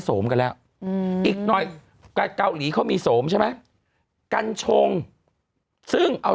สมกันแล้วอีกหน่อยเกาหลีเขามีโสมใช่ไหมกัญชงซึ่งเอา